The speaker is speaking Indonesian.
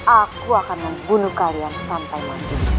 aku akan membunuh kalian sampai mati di sini